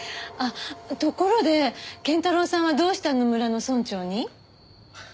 あっところで謙太郎さんはどうしてあの村の村長に？